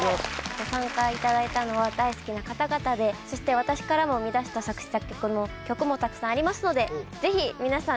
ご参加いただいたのは大好きな方々でそして私からも生み出した作詞作曲の曲もたくさんありますのでぜひ皆さん